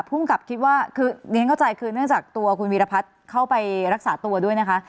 ภูมิกับคิดว่าคือเรียนเข้าใจคือเนื่องจากตัวคุณวีรพัฒน์เข้าไปรักษาตัวด้วยนะคะ